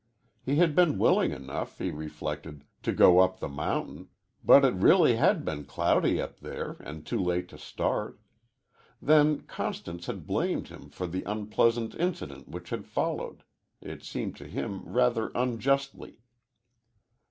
He had been willing enough, he reflected, to go up the mountain, but it really had been cloudy up there and too late to start. Then Constance had blamed him for the unpleasant incident which had followed it seemed to him rather unjustly.